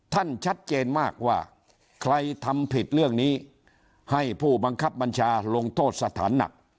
ชัดเจนมากว่าใครทำผิดเรื่องนี้ให้ผู้บังคับบัญชาลงโทษสถานหนัก